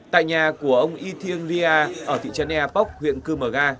tại nhà của ông y thiên ria ở thị trấn ea poc huyện cư mở nga